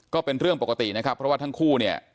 ก็เป็นเรื่องปกตินะครับเพราะว่าทั้งคู่เนี่ย